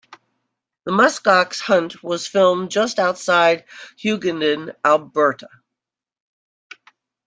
The muskox hunt was filmed just outside Hughenden, Alberta.